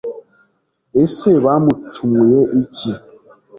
Ese bacumuye iki?